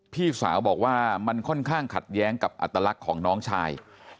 พี่สาวบอกว่ามันค่อนข้างขัดแย้งกับอัตลักษณ์ของน้องชาย